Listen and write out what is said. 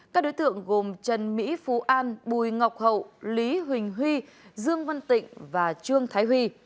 các đối tượng gồm trần mỹ phú an bùi ngọc hậu lý huỳnh huy dương văn tịnh và trương thái huy